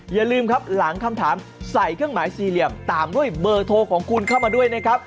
อย่าลืมครับหลังคำถามใส่เครื่องหมายสี่เหลี่ยมตามด้วยเบอร์โทรของคุณเข้ามาด้วยนะครับ